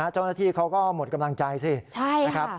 เจ้าหน้าที่เขาก็หมดกำลังใจสินะครับ